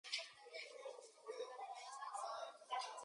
The town of Moutier then developed around the Abbey complex.